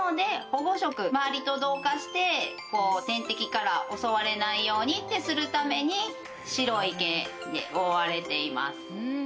保護色まわりと同化して天敵から襲われないようにってするために白い毛で覆われています